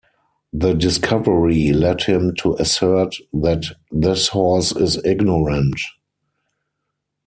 The discovery led him to assert that "this horse is ignorant".